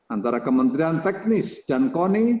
antara kementerian teknis dan koni